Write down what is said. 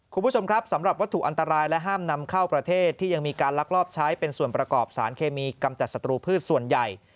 คุณผู้ชมครับสำหรับวัตถุอันตรายและห้ามนำเข้าประเทศที่ยังมีการลักลอบใช้เป็นส่วนประกอบสารเคมีกำจัดศัตรูพืชส่วนใหญ่